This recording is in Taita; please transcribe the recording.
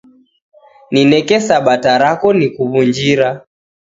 Nineke sabata rako nikuw'unjira.